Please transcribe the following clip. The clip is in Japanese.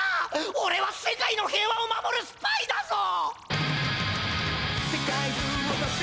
おれは世界の平和を守るスパイだぞ！